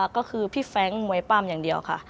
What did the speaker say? ก็คือพี่แฟรงค์มวยปั้มอย่างเดียวค่ะ